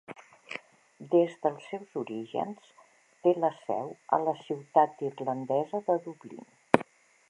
Des dels seus orígens té la seu a la ciutat irlandesa de Dublín.